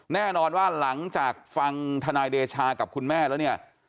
แน่นอนว่าหลังจากฟังทนายเดชากับคุณแม่แล้วเนี่ย